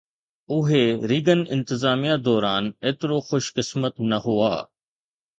اهي ريگن انتظاميه دوران ايترو خوش قسمت نه هئا